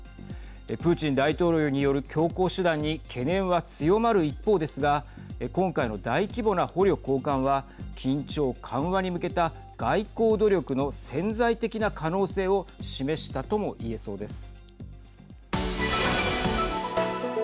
プーチン大統領による強硬手段に懸念は強まる一方ですが今回の大規模な捕虜交換は緊張緩和に向けた外交努力の潜在的な可能性を示したとも言えそうです。